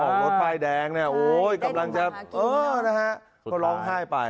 ออกรถป้ายแดงเนี่ยโอ้ยกำลังจะโอ้ยนะฮะ